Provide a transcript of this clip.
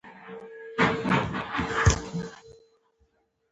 • کنفوسیوس د لو دولت راتلونکی ځایناستی یانګ هو سره ولیدل.